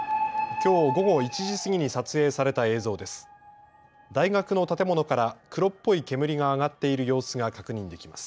きょう午後１時過ぎに撮影された映像です。